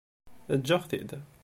Eǧǧ-aɣ-t-id